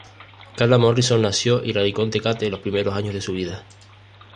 Carla Morrison nació y radicó en Tecate los primeros años de su vida.